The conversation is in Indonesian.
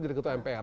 dari ketua mpr